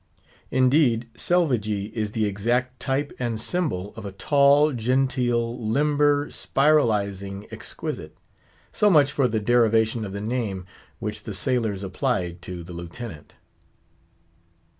Indeed, Selvagee is the exact type and symbol of a tall, genteel, limber, spiralising exquisite. So much for the derivation of the name which the sailors applied to the Lieutenant.